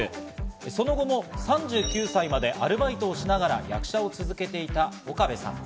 その後も３９歳までアルバイトをしながら役者を続けていた岡部さん。